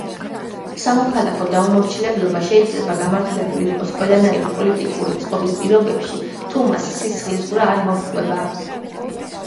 სამოქალაქო დაუმორჩილებლობა შეიძლება გამართლებული იყოს ყველანაირი პოლიტიკური წყობის პირობებში, თუ მას სისხლისღვრა არ მოჰყვება.